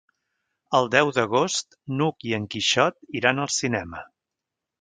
El deu d'agost n'Hug i en Quixot iran al cinema.